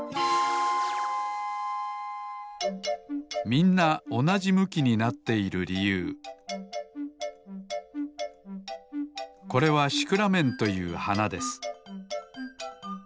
みんなおなじむきになっているりゆうこれはシクラメンというはなです